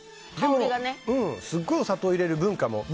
すごいお砂糖を入れる文化も。